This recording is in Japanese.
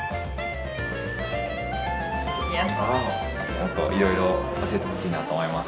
もっといろいろ教えてほしいなと思います。